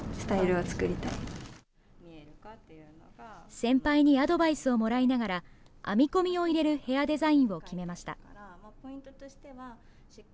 先輩にアドバイスをもらいながら、編み込みを入れるヘアデザインを決めました。